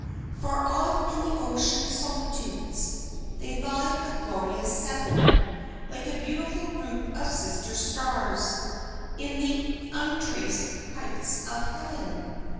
Far off, in the ocean solitudes, They lie, a glorious seven; Like a beautiful group of sister stars, In the untraced heights of heaven.